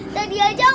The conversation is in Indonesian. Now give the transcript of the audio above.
tadi aja umur